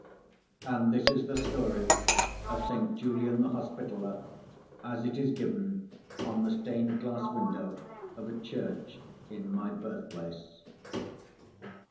And this is the story of Saint Julian the Hospitaller, as it is given on the stained glass window of a church in my birthplace.